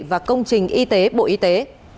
và công trình y tế bộ y tế